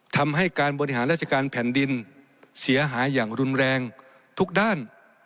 ทำให้การบริหารราชการแผ่นดินเสียหายอย่างรุนแรงทุกด้าน